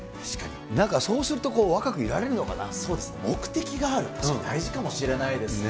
なんか、そうすると若くいられるそうですね、目的があるって、確かに大事かもしれないですね。